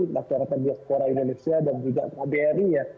dari rakyat rakyat diaspora indonesia dan juga kbri ya